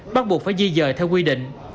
bắt buộc phải di dời theo quy định